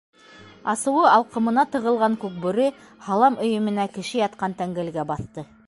Асыуы алҡымына тығылған Күкбүре һалам өйөмөнә, кеше ятҡан тәңгәлгә баҫты.